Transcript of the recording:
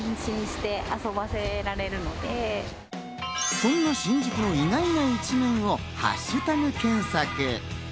そんな新宿の意外な一面をハッシュタグ検索。